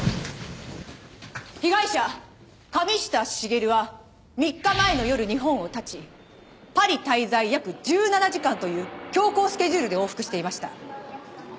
被害者神下茂は３日前の夜日本を発ちパリ滞在約１７時間という強行スケジュールで往復していました。